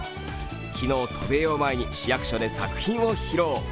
昨日、渡米を前に市役所で作品を披露。